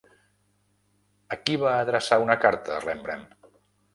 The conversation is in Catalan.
A qui va adreçar una carta Rembrandt?